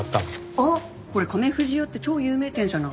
あっこれ亀富士屋って超有名店じゃない。